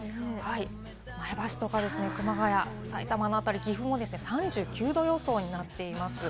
前橋とか熊谷、さいたまの辺り、岐阜も３９度予想になっています。